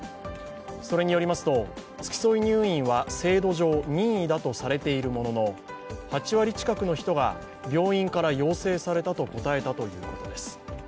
それによりますと、付き添い入院は制度上、任意だとされているものの８割近くの人が病院から要請されたと答えたということです。